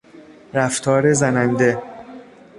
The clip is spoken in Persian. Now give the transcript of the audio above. رفتار زننده